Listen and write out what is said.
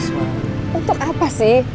untuk apa sih